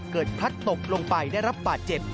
พลัดตกลงไปได้รับบาดเจ็บ